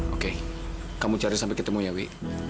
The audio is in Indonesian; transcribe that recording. oke kamu cari sampai ketemu ya wi